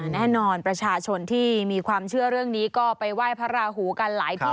แน่นอนประชาชนที่มีความเชื่อเรื่องนี้ก็ไปไหว้พระราหูกันหลายที่